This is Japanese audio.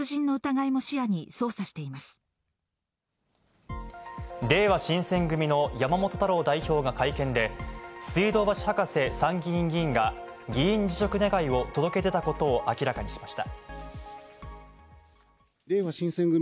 れいわ新選組の山本太郎代表が会見で、水道橋博士参議院議員が議員辞職願を届け出たことを明らかにしました。